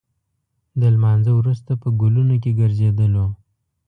د لمانځه وروسته په ګلونو کې ګرځېدلو.